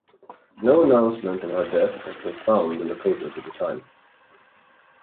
No announcement of her death has been found in the papers of the time.